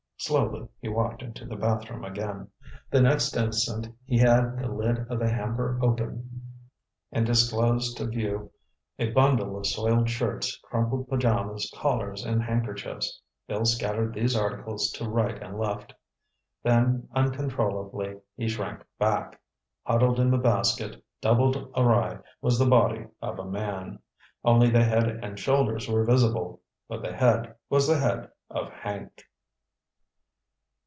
Slowly he walked into the bathroom again. The next instant he had the lid of the hamper open, and disclosed to view a bundle of soiled shirts, crumpled pajamas, collars and handkerchiefs. Bill scattered these articles to right and left. Then uncontrollably, he shrank back. Huddled in the basket, doubled awry, was the body of a man. Only the head and shoulders were visible. But the head was the head of Hank.